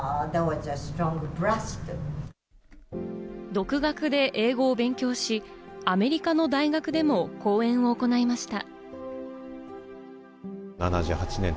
独学で英語を勉強し、アメリカの大学でも講演を行いました。